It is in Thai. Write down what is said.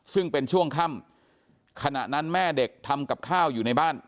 ซึ่งเป็นช่วงค่ำขณะนั้นแม่เด็กทำกับข้าวอยู่ในบ้าน